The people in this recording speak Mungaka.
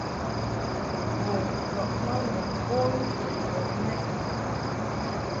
Bun lɔʼ ma ŋgɔŋ bon ntəʼŋgɔŋ mɛʼ.